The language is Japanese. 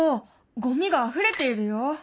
ゴミがあふれているよ！